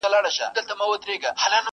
ورسره به وي د ګور په تاریکو کي!